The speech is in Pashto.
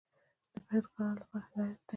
د پرهېزګارانو لپاره هدایت دى.